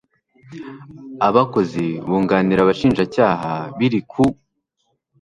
Abakozi bunganira Abashinjacyaha biri ku